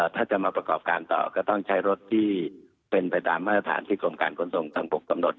ถ้าจะมาประกอบการต่อก็ต้องใช้รถที่เป็นไปตามมาตรฐานที่กรมการขนส่งทางบกกำหนด